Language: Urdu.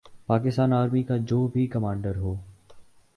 پاکستان آرمی کا جو بھی کمانڈر ہو۔